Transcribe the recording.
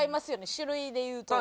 種類でいうと。